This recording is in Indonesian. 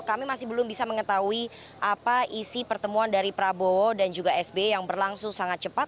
kami masih belum bisa mengetahui apa isi pertemuan dari prabowo dan juga sby yang berlangsung sangat cepat